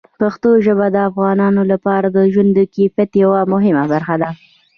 پښتو ژبه د افغانانو لپاره د ژوند د کیفیت یوه مهمه برخه ده.